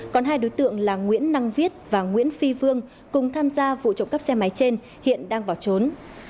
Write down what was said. còn hai đối tượng là nguyễn năng viết và nguyễn phi vương cùng tham gia vụ trộm cắp xe máy trên hiện đang bỏ trốn